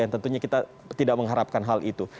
yang tentunya kita tidak mengharapkan hal itu